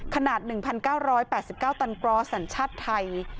ขนาด๑๙๘๙ตันกรสัญชาติไทย